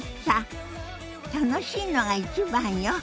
楽しいのが一番よ。